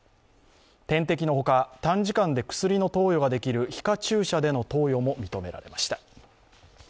点滴のほか、短時間で薬の投与ができる皮下注射での投与も認められました。